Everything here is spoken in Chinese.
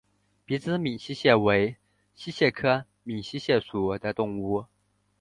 鼻肢闽溪蟹为溪蟹科闽溪蟹属的动物。